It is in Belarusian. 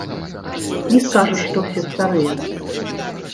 Не скажаш, што ўсе старыя.